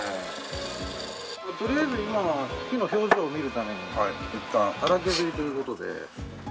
とりあえず今は木の表情を見るためにいったん粗削りという事で。